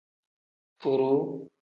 Furuu.